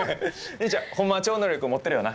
兄ちゃんほんまは超能力持ってるよな。